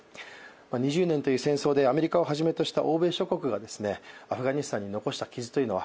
２０年という戦争でアメリカをはじめとした欧米諸国がアフガニスタンに残した傷は